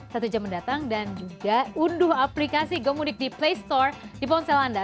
satu jam mendatang dan juga unduh aplikasi gomudik di play store di ponsel anda